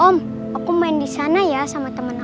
om aku main disana ya sama temen alu ya